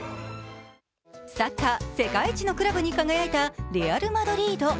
サッカー世界一のクラブに輝いたレアル・マドリード。